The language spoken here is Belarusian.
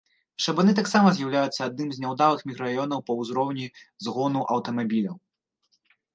Шабаны таксама з'яўляюцца адным з няўдалых мікрараёнаў па ўзроўні згону аўтамабіляў.